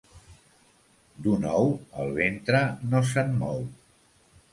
D'un ou el ventre no se'n mou.